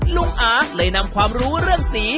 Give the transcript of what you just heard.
อาเลยนำความรู้เรื่องสี